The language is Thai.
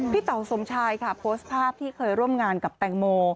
เต๋าสมชายค่ะโพสต์ภาพที่เคยร่วมงานกับแตงโม